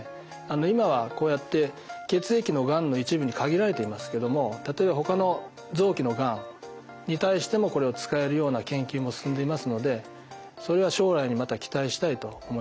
今はこうやって血液のがんの一部に限られていますけども例えばほかの臓器のがんに対してもこれを使えるような研究も進んでいますのでそれは将来にまた期待したいと思います。